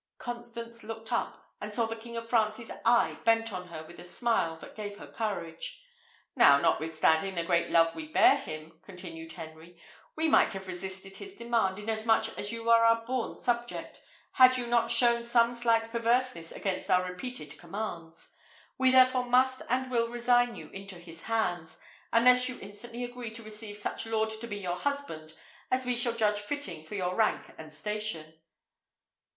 Constance looked up, and saw the King of France's eye bent on her with a smile that gave her courage. "Now, notwithstanding the great love we bear him," continued Henry, "we might have resisted his demand, inasmuch as you are our born subject, had you not shown some slight perverseness against our repeated commands. We therefore must and will resign you into his hands, unless you instantly agree to receive such lord to be your husband as we shall judge fitting for your rank and station."